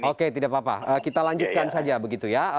oke tidak apa apa kita lanjutkan saja begitu ya